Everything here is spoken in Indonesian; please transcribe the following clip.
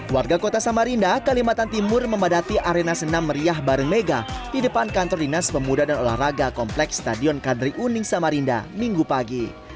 warga kota samarinda kalimantan timur memadati arena senam meriah bareng mega di depan kantor dinas pemuda dan olahraga kompleks stadion kadri uning samarinda minggu pagi